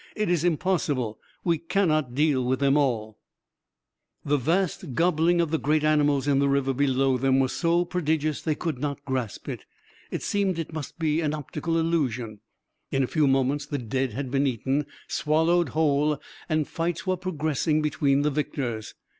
It is impossible; we cannot deal with them all." The vast gobbling of the great animals in the river below them was so prodigious they could not grasp it. It seemed it must be optical illusion. In a few moments, the dead had been eaten, swallowed whole, and fights were progressing between the victors.